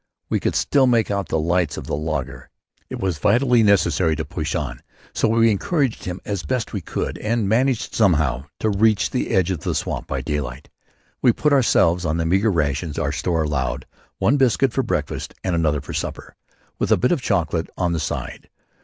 We could still make out the lights of the laager. It was vitally necessary to push on; so we encouraged him as best we could and managed, somehow, to reach the edge of the swamp by daylight. We put ourselves on the meagre rations our store allowed, one biscuit for breakfast and another for supper, with a bit of chocolate on the side.